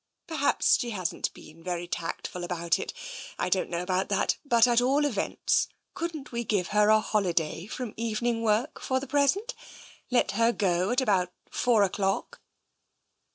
Perhaps she hasn't been very tactful about it. I don't know about that. But at all events, couldn't we give her a holiday from evening work for the pres ent ? Let her go at about four o'clock